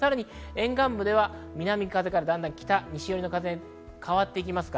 沿岸部では南風から北、西よりの風に変わっていきます。